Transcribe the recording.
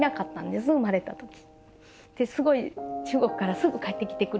ですごい中国からすぐ帰ってきてくれて。